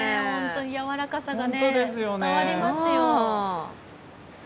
やわらかさが伝わりますよ。